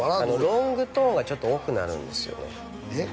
ロングトーンがちょっと多くなるんですよねえっ？